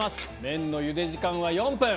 麺のゆで時間は４分。